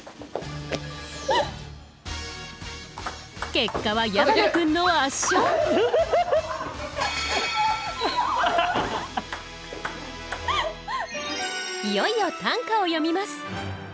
結果は矢花君の圧勝いよいよ短歌を詠みます。